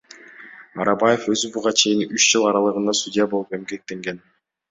Арабаев өзү буга чейин үч жыл аралыгында судья болуп эмгектенген.